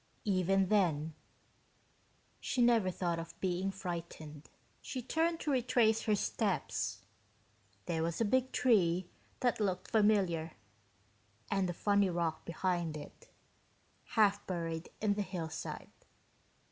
Even then, she never thought of being frightened. She turned to retrace her steps. There was a big tree that looked familiar, and a funny rock behind it, half buried in the hillside.